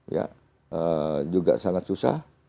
ya juga sangat susah